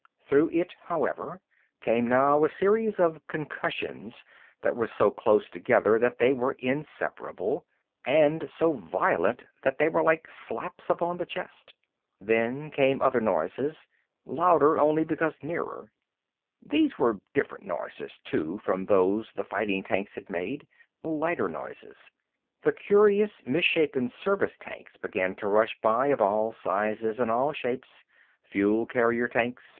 Through it, however, came now a series of concussions that were so close together that they were inseparable, and so violent that they were like slaps upon the chest. Then came other noises, louder only because nearer. These were different noises, too, from those the fighting tanks had made. Lighter noises. The curious, misshapen service tanks began to rush by, of all sizes and all shapes. Fuel carrier tanks.